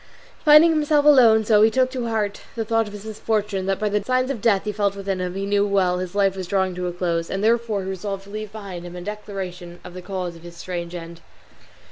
Finding himself alone he so took to heart the thought of his misfortune that by the signs of death he felt within him he knew well his life was drawing to a close, and therefore he resolved to leave behind him a declaration of the cause of his strange end.